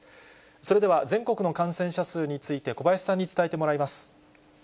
それでは、全国の感染者数について小林さんに伝えてもらいます。